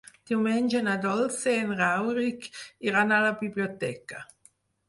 Diumenge na Dolça i en Rauric iran a la biblioteca.